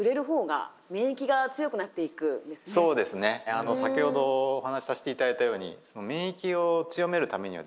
あの先ほどお話させていただいたように免疫を強めるためにはですね